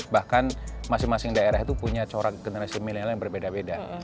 bahkan masing masing daerah itu punya corak generasi milenial yang berbeda beda